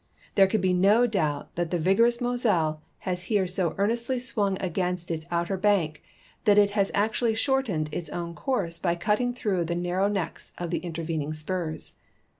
There can he no doubt that the vigor ous Moselle has here so earnestly swung against its outer bank that it has actually shortened its own course by cutting through the narrow necks of the intervening spurs.